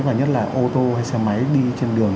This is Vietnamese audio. và nhất là ô tô hay xe máy đi trên đường